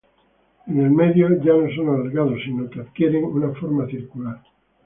En el medio, ya no son alargados sino que adquieren una forma circular.